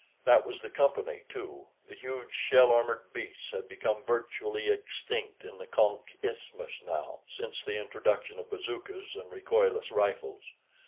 That was the Company, too; the huge shell armored beasts had become virtually extinct in the Konk Isthmus now, since the introduction of bazookas and recoilless rifles.